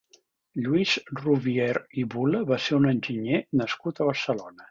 Lluís Rouvière i Bula va ser un enginyer nascut a Barcelona.